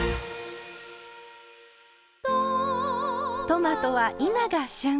トマトは今が旬。